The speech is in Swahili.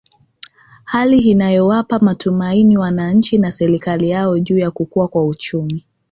Hali inayowapa matumaini wananchi na serikali yao juu ya kukua kwa uchumi